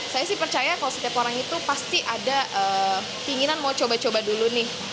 saya sih percaya kalau setiap orang itu pasti ada keinginan mau coba coba dulu nih